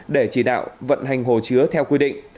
để chỉ đạo vận hành hồ chứa theo quy định